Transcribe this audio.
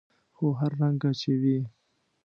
خو هر رنګه چې وي.